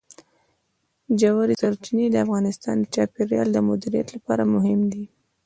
ژورې سرچینې د افغانستان د چاپیریال د مدیریت لپاره مهم دي.